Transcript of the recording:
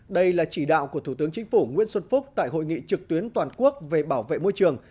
đây là chỉ đạo của thủ tướng chính phủ nguyễn xuân phúc tại hội nghị trực tuyến toàn quốc về bảo vệ môi trường